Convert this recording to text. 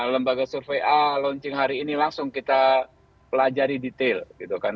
lembaga survei a launching hari ini langsung kita pelajari detail gitu kan